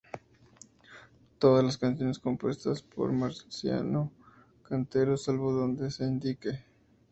Todas las canciones compuestas por Marciano Cantero, salvo donde se indique.